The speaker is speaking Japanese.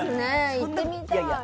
行ってみたい。